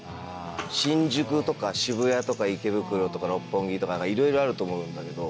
新宿とか渋谷とか池袋とか六本木とかいろいろあると思うんだけど。